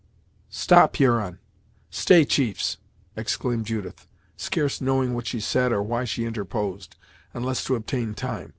"Stop Huron stay chiefs! " exclaimed Judith, scarce knowing what she said, or why she interposed, unless to obtain time.